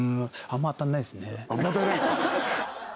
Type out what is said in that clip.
あんま当たんないっすか